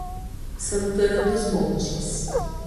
Santana dos Montes